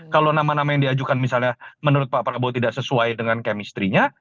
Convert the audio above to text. kalau nama nama yang diajukan misalnya menurut pak prabowo tidak sesuai dengan chemistry nya